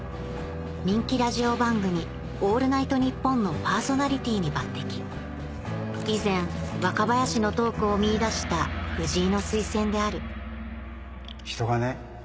人気ラジオ番組『オールナイトニッポン』のパーソナリティーに抜てき以前若林のトークを見いだした藤井の推薦である人がね